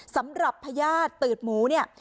สำหรับพญาติตืดหมูเนี่ย